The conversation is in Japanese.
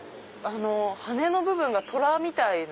羽の部分がトラみたいな。